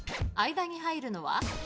間に入るのは？